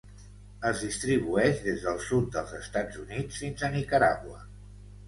Es distribueix des del sud dels Estats Units fins a Nicaragua.